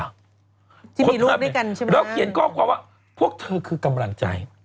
แล้วเขียนกล้องภาพพวกเธอคือกำลังใจ